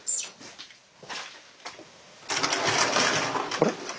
あれ？